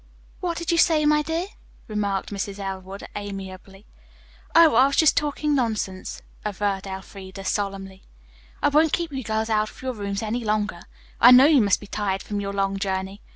"What did you say, my dear?" remarked Mrs. Elwood amiably. "Oh, I was just talking nonsense," averred Elfreda solemnly. "I won't keep you girls out of your rooms any longer. I know you must be tired from your long journey.